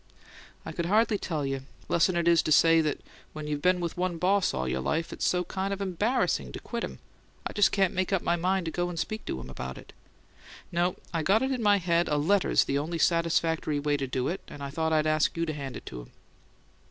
"I could hardly tell you 'less'n it is to say that when you been with one boss all your life it's so so kind of embarrassing to quit him, I just can't make up my mind to go and speak to him about it. No; I got it in my head a letter's the only satisfactory way to do it, and I thought I'd ask you to hand it to him."